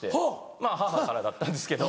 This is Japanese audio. まぁ母からだったんですけど。